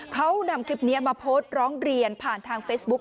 เขานำคลิปนี้มาโพสต์ร้องเรียนผ่านทางเฟซบุ๊ค